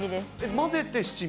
混ぜて七味？